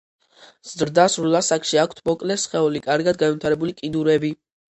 ზრდასრულ ასაკში აქვთ მოკლე სხეული, კარგად განვითარებული კიდურები.